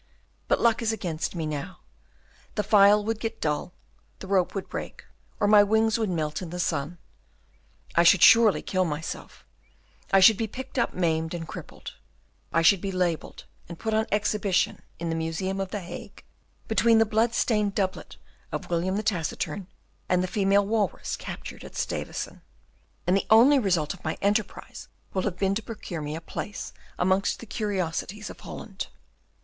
But luck is against me now. The file would get dull, the rope would break, or my wings would melt in the sun; I should surely kill myself, I should be picked up maimed and crippled; I should be labelled, and put on exhibition in the museum at the Hague between the blood stained doublet of William the Taciturn and the female walrus captured at Stavesen, and the only result of my enterprise will have been to procure me a place among the curiosities of Holland.